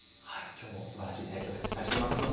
はい今日もすばらしい対局期待しています。